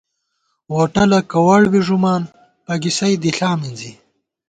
ووٹلَہ کوَڑ بی ݫُمان ، پَگِسَئ دِݪا مِنزی